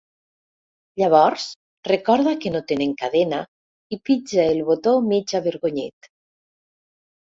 Llavors recorda que no tenen cadena i pitja el botó mig avergonyit.